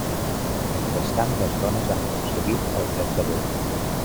Mentrestant, les dones han aconseguit el dret de vot.